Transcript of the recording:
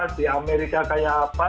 di amerika kayak apa